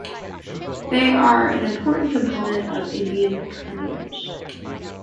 They are an important component of Indian coinage.